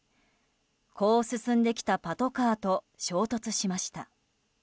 こう進んできたパトカーと衝突しました。